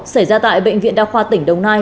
xảy ra tại bệnh viện đa khoa tỉnh đồng nai